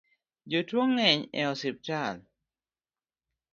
Jotuo ng'eny e osiptal